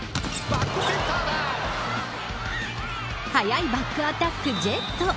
早いバックアタックジェット。